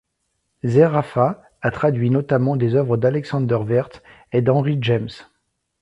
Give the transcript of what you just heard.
Zéraffa a traduit notamment des œuvres d'Alexander Werth et d'Henry James.